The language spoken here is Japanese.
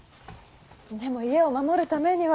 でも家を守るためには。